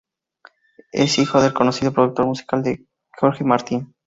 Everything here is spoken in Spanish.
Es hijo del conocido productor musical George Martin.